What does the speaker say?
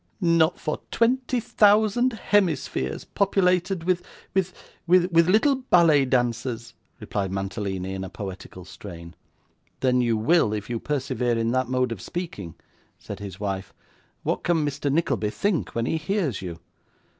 'Not for twenty thousand hemispheres populated with with with little ballet dancers,' replied Mantalini in a poetical strain. 'Then you will, if you persevere in that mode of speaking,' said his wife. 'What can Mr. Nickleby think when he hears you?